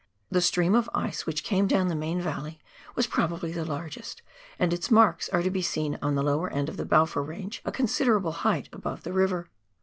The stream of ice which came down the main valley was probably the largest, and its marks are to be seen on the lower end of the Balfour Range a considerable height above the river.